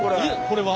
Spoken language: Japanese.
これは？